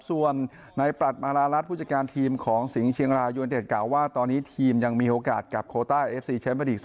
ส่วนในปรัชมารารัฐผู้จัดการทีมของสิงห์เชียงรายยูเนเต็ดกล่าวว่าตอนนี้ทีมยังมีโอกาสกับโคต้าเอฟซีแชมป์ไปลีก๒๐